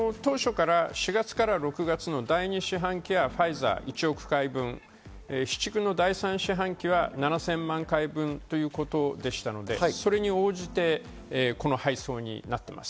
４月から６月の第２四半期はファイザー１億回分、第３四半期は７０００万回分ということでしたので、それに応じて、この配送になっています。